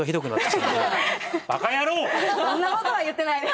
そんなことは言ってないです。